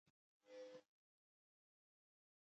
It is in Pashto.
دا دوره د یو زر دوه سوه شپږ او پنځلس سوه شپږویشت ترمنځ وه.